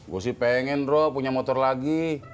gue sih pengen roh punya motor lagi